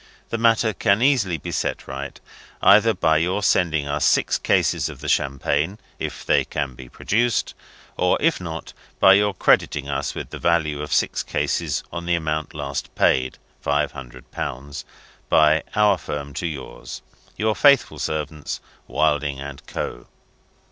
The matter can easily be set right, either by your sending us six cases of the champagne, if they can be produced, or, if not, by your crediting us with the value of six cases on the amount last paid (five hundred pounds) by our firm to yours. Your faithful servants, "WILDING AND CO."